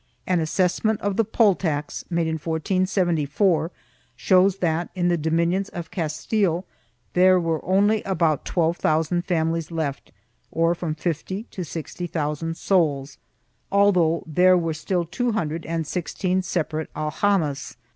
An assess ment of the poll tax, made in 1474, shows that in the dominions of Castile there were only about twelve thousand families left, or from fifty to sixty thousand souls, although there were still two hundred and sixteen separate al jamas.